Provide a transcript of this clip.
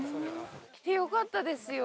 来てよかったですよ。